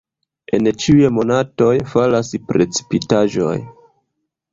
En ĉiuj monatoj falas precipitaĵoj.